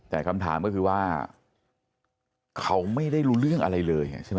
แต่คำถามก็คือว่าเขาไม่ได้รู้เรื่องอะไรเลยใช่ไหม